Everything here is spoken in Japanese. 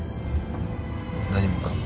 何もかも。